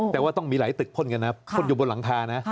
แต่ว่าต้องมีหลายตึกพ่นกันนะพ่นอยู่บนหลังคานะ